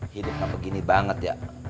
hidup gak begini banget ya